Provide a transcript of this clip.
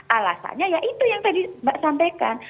alasannya ya itu yang tadi mbak sampaikan